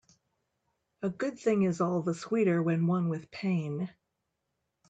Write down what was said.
A good thing is all the sweeter when won with pain.